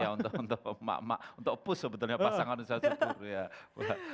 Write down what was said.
ya untuk emak emak untuk pus sebetulnya pasangan saya sebut ya